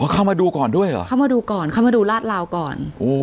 เข้ามาดูก่อนด้วยเหรอเข้ามาดูลาดลาวก่อน